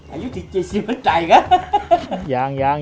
อายุ๗๐กว่าจ่าย